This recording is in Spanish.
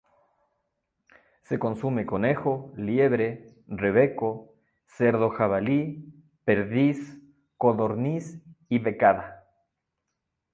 Se consume conejo, liebre, rebeco, cerdo jabalí, perdiz, codorniz y becada.